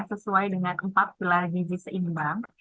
sesuai dengan empat pilar gizi seimbang